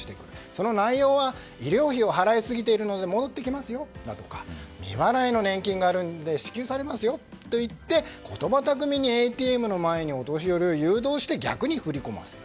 その内容は医療費を払いすぎているので戻ってきますよですとか未払いの年金があるので支給されますよと言って言葉巧みにＡＴＭの前にお年寄りを誘導して、逆に振り込ませる。